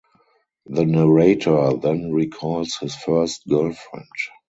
The narrator then recalls his first girlfriend.